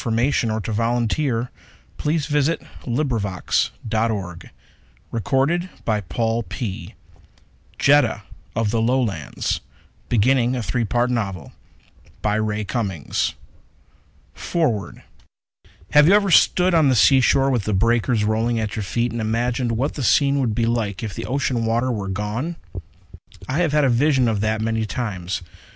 Jetta of the Lowlands BEGINNING A THREE PART NOVEL By Ray Cummings Foreword _Have you ever stood on the seashore, with the breakers rolling at your feet, and imagined what the scene would be like if the ocean water were gone? I have had a vision of that many times.